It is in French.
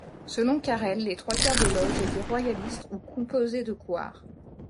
Selon Carrel, les trois quarts des Loges étaient royalistes, ou composées de couards.